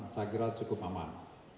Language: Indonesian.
saya kira cukup aman